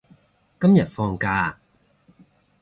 今日放假啊？